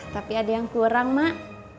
tapi ada yang kurang mak